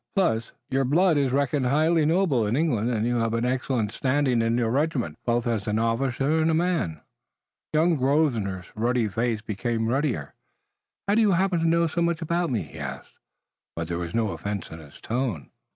Still, your blood is reckoned highly noble in England, and you have an excellent standing in your regiment, both as an officer and a man." Young Grosvenor's ruddy face became ruddier. "How do you happen to know so much about me?" he asked. But there was no offense in his tone.